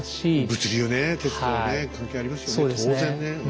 物流ね鉄道ね関係ありますよね当然ね。